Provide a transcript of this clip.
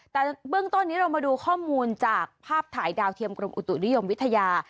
แต่เบื้องต้นนี้เรามาดูข้อมูลจากภาพถ่ายดาวเทียมกรมอุตุนิยมวิทยา